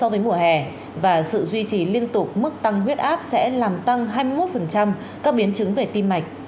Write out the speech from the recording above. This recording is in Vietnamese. với mùa hè và sự duy trì liên tục mức tăng huyết áp sẽ làm tăng hai mươi một các biến chứng về tim mạch